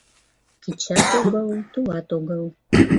Кечат огыл, тулат огыл -